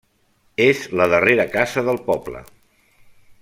És la darrera casa del poble.